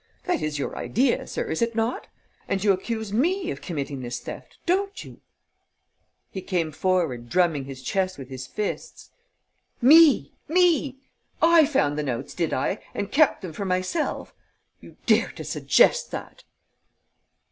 That is your idea, sir, is it not? And you accuse me of committing this theft don't you?" He came forward, drumming his chest with his fists: "Me! Me! I found the notes, did I, and kept them for myself? You dare to suggest that!"